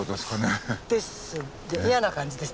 嫌な感じです。